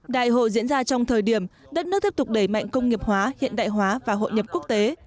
đại hội diễn ra trong thời điểm đất nước tiếp tục đẩy mạnh công nghiệp hóa hiện đại hóa và hội nhập quốc tế